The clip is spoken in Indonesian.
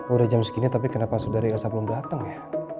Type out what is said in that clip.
udah jam segini tapi kenapa sudah saya belum datang ya